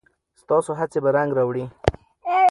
ستاسو هڅې به رنګ راوړي.